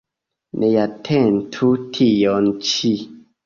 Neatentu tion ĉi.